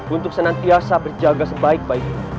untuk senantiasa berjaga sebaik baiknya